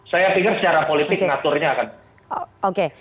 saya pikir secara politik ngaturnya akan